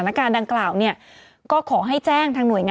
มีสารตั้งต้นเนี่ยคือยาเคเนี่ยใช่ไหมคะ